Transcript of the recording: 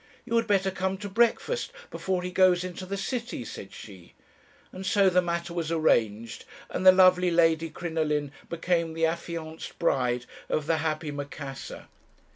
"'You had better come to breakfast; before he goes into the city,' said she. "And so the matter was arranged, and the lovely Lady Crinoline became the affianced bride of the happy Macassar.